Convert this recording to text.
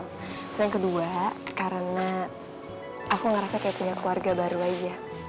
terus yang kedua karena aku ngerasa kayak punya keluarga baru aja